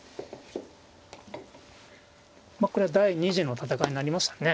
まあこれは第２次の戦いになりましたね。